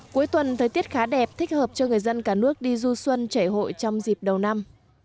cuối tuần thời tiết khá đẹp thích hợp cho người dân cả nước đi du xuân chảy hội trong dịp đầu năm